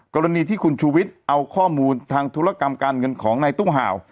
กรณีที่คุณชูวิทย์เอาข้อมูลทางธุรกรรมการเงินของในตู้ห่าว